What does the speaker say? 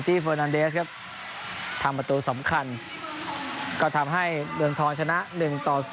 ทางประตูสำคัญก็ทำให้เมืองท้องชนะ๑ต่อ๐